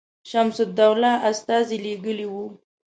شمس الدوله استازی لېږلی وو.